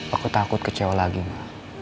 aku takut kecewa lagi mah